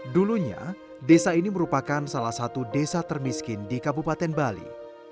dulunya desa ini merupakan salah satu desa termiskin di kabupaten bali